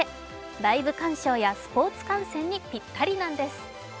ライブ鑑賞やスポーツ観戦にぴったりなんです。